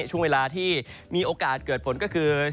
ช่วงเวลาที่มีโอกาสเกิดฝนก็คือ